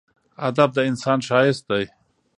ادب د انسان ښایست دی.